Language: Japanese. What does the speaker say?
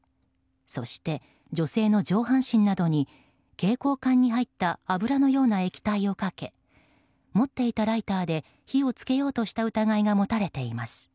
そして、女性の上半身などに携行缶に入った油のような液体をかけ持っていたライターで火をつけようとした疑いが持たれています。